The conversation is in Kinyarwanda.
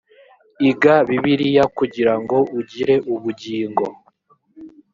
iga bibiliya kugira ngo ugire ubugingo